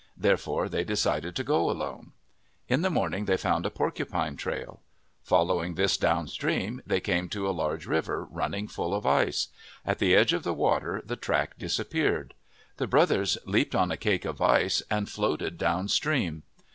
There fore they decided to go alone. In the morning they found a porcupine trail. Following this downstream, they came to a large river running full of ice. At the edge of the water the track disappeared. The brothers leaped on a cake of ice and floated downstream.